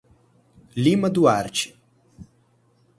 Lima Duarte